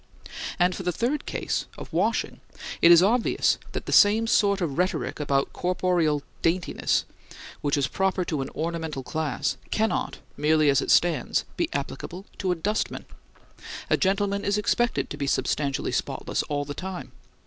And for the third case, of washing, it is obvious that the same sort of rhetoric about corporeal daintiness which is proper to an ornamental class cannot, merely as it stands, be applicable to a dustman. A gentleman is expected to be substantially spotless all the time.